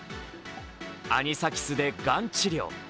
アニサキスでがん治療。